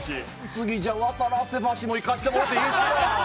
次『渡良瀬橋』もいかしてもろていいですか？